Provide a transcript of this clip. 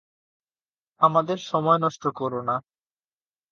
আমাদের সময় নষ্ট কোরো না।